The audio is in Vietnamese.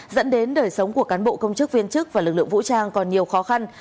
dẫn đến đời sống của cán bộ công chức viên chức và lực lượng vũ trang còn nhiều khó khăn